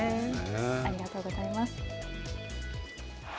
ありがとうございます。